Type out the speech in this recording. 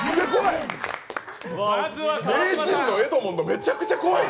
めちゃくちゃ怖い。